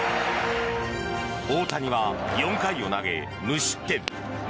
大谷は４回を投げ、無失点。